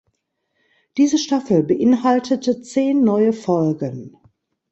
Diese Staffel beinhaltete zehn neue Folgen.